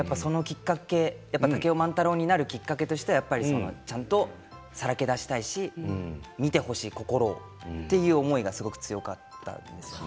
竹雄、万太郎になるきっかけとしてちゃんとさらけ出したし見てほしいシーンという思いがすごく強かったんです。